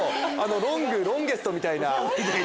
ロングをロンゲストみたいな。